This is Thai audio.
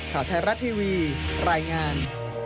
ข่าวไทยรัฐทีวีรายงาน